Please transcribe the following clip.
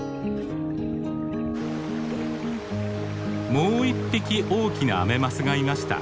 もう一匹大きなアメマスがいました。